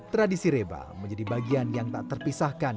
tradisi reba menjadi bagian yang tak terpisahkan